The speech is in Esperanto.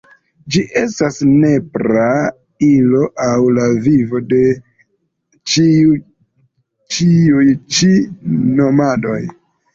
Ĝi estis nepra ilo en la vivo de ĉiuj ĉi nomadoj.